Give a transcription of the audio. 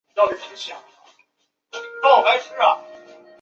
先后参加过黄桥战役等战役。